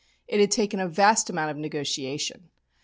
It had taken a vast amount of negotiation.